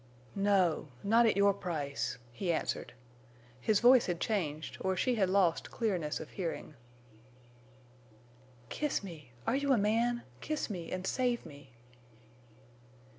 "No—not at your price!" he answered. His voice had changed or she had lost clearness of hearing. "Kiss me!... Are you a man? Kiss me and save me!"